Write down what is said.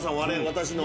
私の。